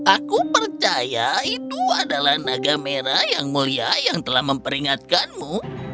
aku percaya itu adalah naga merah yang mulia yang telah memperingatkanmu